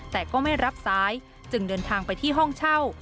แต่ก็ไม่รับสายจึงเดินทางไปที่ห้องเช่า